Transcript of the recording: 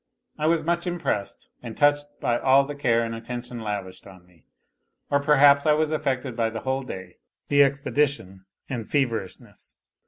I was much impressed and touched by all the care and attention lavished on me ; or perhaps I was affected by the whole day, the expedition and feverishness.